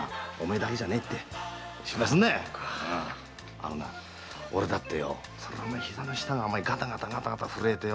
あのな俺だって膝の下がガタガタ震えてよ。